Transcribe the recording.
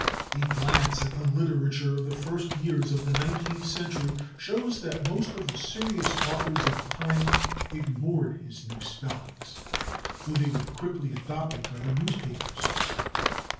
A glance at the literature of the first years of the nineteenth century shows that most of the serious authors of the time ignored his new spellings, though they were quickly adopted by the newspapers.